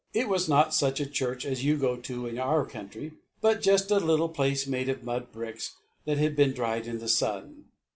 It was not such a church as you go to in our country but just a little place made of mud bricks that had been dried in the sun.